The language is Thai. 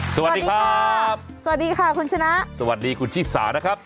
สวัสดีครับสวัสดีค่ะคุณชนะสวัสดีคุณชิสานะครับ